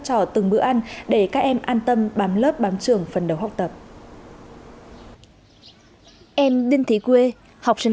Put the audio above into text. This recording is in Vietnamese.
cho từng bữa ăn để các em an tâm bám lớp bám trường phần đầu học tập em đinh thị quê học trên